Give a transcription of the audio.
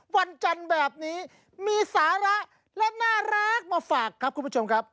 วันจันทร์แบบนี้มีสาระและน่ารักมาฝากครับคุณผู้ชมครับ